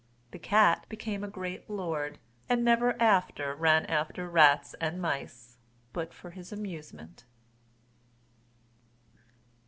The cat became a great lord, and never after ran after rats and mice but for his amusement.